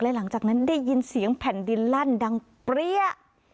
หลังจากนั้นได้ยินเสียงแผ่นดินลั่นดังเปรี้ย